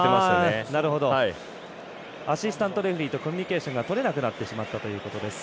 アシスタントレフリーとコミュニケーションがとれなくなってしまったということです。